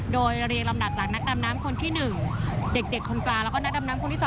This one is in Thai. โดยเรียงลำดับจากนักดำน้ำคนที่๑เด็กคนกลางแล้วก็นักดำน้ำคนที่๒